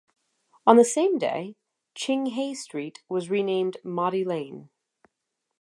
On the same day, Ching Hay Street was renamed Mody Lane.